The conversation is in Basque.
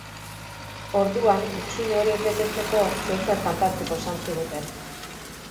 Orduan hutsune horiek betetzeko zer edo zer kantatzeko esan ziguten.